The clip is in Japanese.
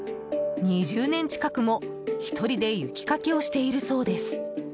２０年近くも１人で雪かきをしているそうです。